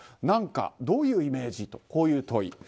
何かどういうイメージ？という問い。